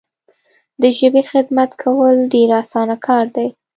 د ژبي خدمت کول ډیر اسانه کار دی.